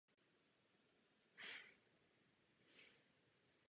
K jižnímu křídlu zámku je pevně připojen barokní kostel svatého Jana Nepomuckého.